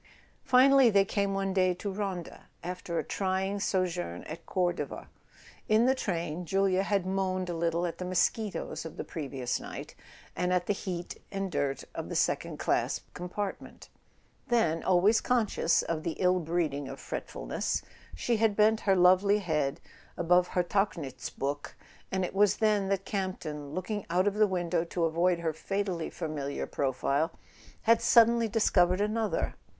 Finally they came one day to Ronda, after a trying sojourn at Cordova. In the train Julia had moaned a lit¬ tle at the mosquitoes of the previous night, and at the heat and dirt of the second class compartment; then, always conscious of the ill breeding of fretfulness, she had bent her lovely head above her Tauchnitz. And it was then that Campton, looking out of the window to avoid her fatally familiar profile, had suddenly dis¬ covered another.